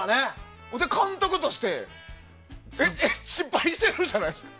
監督として失敗してるじゃないですか。